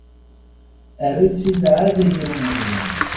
Err-itt-id ɛad i yilmeẓyen.